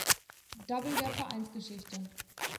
Double der Vereinsgeschichte.